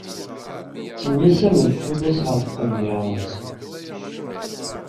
Ttemyasament tullas ɣef tqendyar-nsent.